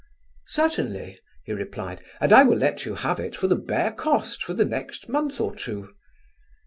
"Certainly," he replied, "and I will let you have it for the bare cost for the next month or two."